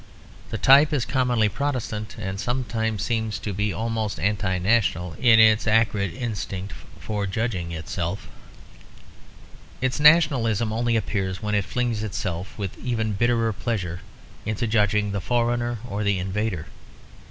The type is commonly Protestant; and sometimes seems to be almost anti national in its acrid instinct for judging itself. Its nationalism only appears when it flings itself with even bitterer pleasure into judging the foreigner or the invader.